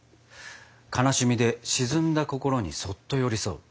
悲しみで沈んだ心にそっと寄り添う。